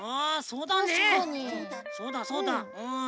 そうだそうだうん。